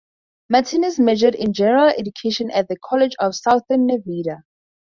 Martinez majored in general education at the College of Southern Nevada.